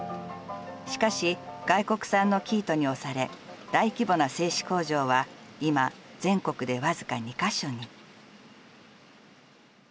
しかし、外国産の生糸に押され大規模な製糸工場は今、全国でわずか２か所に。